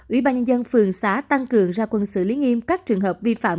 ủy ban nhân dân phường xã tăng cường ra quân xử lý nghiêm các trường hợp vi phạm